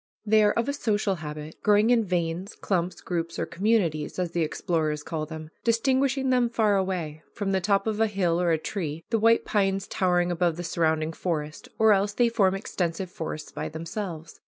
They are of a social habit, growing in "veins," "clumps," "groups," or "communities," as the explorers call them, distinguishing them far away, from the top of a hill or a tree, the white pines towering above the surrounding forest, or else they form extensive forests by themselves.